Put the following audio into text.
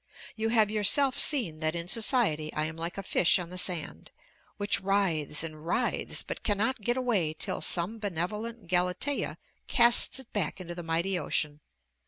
You have yourself seen that in society I am like a fish on the sand, which writhes and writhes, but cannot get away till some benevolent Galatea casts it back into the mighty ocean.